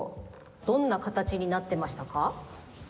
どんなかたちになってましたか？